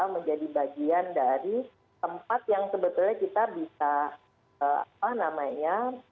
menjadi bagian dari tempat yang sebetulnya kita bisa apa namanya